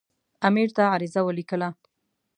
امیر ته عریضه ولیکله.